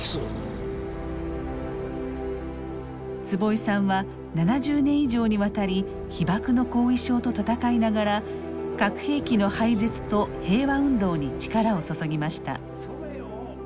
坪井さんは７０年以上にわたり被爆の後遺症と闘いながら核兵器の廃絶と平和運動に力を注ぎました。